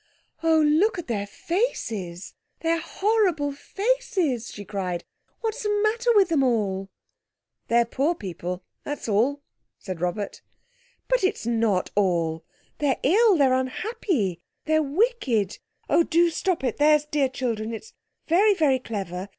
"Oh, look at their faces, their horrible faces!" she cried. "What's the matter with them all?" "They're poor people, that's all," said Robert. "But it's not all! They're ill, they're unhappy, they're wicked! Oh, do stop it, there's dear children. It's very, very clever.